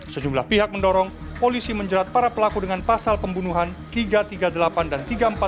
sejumlah pihak mendorong polisi menjerat para pelaku dengan pasal pembunuhan tiga ratus tiga puluh delapan dan tiga ratus empat puluh